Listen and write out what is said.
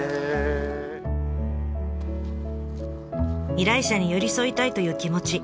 依頼者に寄り添いたいという気持ち。